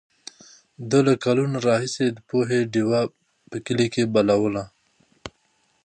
ده له کلونو راهیسې د پوهې ډېوه په کلي کې بلوله.